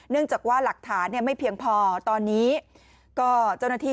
จากว่าหลักฐานเนี่ยไม่เพียงพอตอนนี้ก็เจ้าหน้าที่